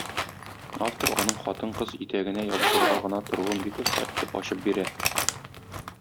Автор аның хатын-кыз итәгенә ябышырга гына торуын бик оста итеп ачып бирә.